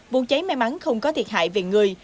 vụ cháy may mắn không có thiệt hại về người